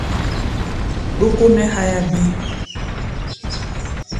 Dókó nɛ́ háyá bíí.